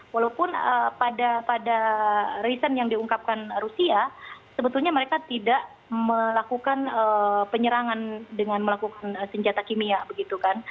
walaupun pada reason yang diungkapkan rusia sebetulnya mereka tidak melakukan penyerangan dengan melakukan senjata kimia begitu kan